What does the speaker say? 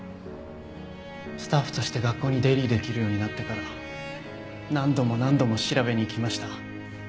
スタッフとして学校に出入りできるようになってから何度も何度も調べに行きました。